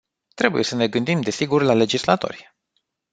Trebuie să ne gândim, desigur, la legislatori.